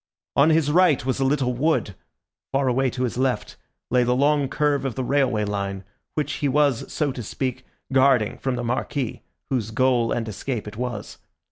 On his right was a little wood; far away to his left lay the long curve of the railway line, which he was, so to speak, guarding from the Marquis, whose goal and escape it was.